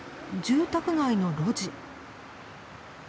住宅街の路地。